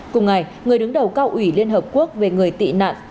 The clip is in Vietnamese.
cùng ngày người đứng đầu cao ủy liên hợp quốc về người tị nạn